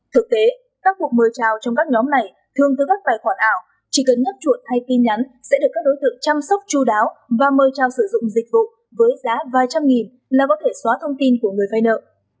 thực tế các cuộc mời trào trong các nhóm này thường từ các tài khoản ảo chỉ cần nhấp chuột hay tin nhắn sẽ được các đối tượng chăm sóc chú đáo và mời trào sử dụng dịch vụ với giá vài trăm nghìn là có thể xóa thông tin của người vai nợ